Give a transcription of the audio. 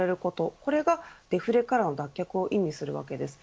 これがデフレからの脱却を意味します。